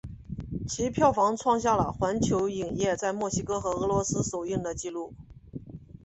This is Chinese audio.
其票房创下了环球影业在墨西哥和俄罗斯首映的纪录。